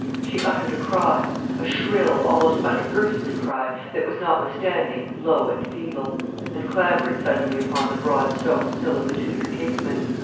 She uttered a cry, a shrill, almost unearthly cry, that was notwithstanding low and feeble, and clambered suddenly upon the broad stone sill of the Tudor casement.